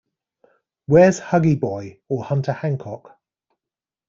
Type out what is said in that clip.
Where's Huggy Boy or Hunter Hancock?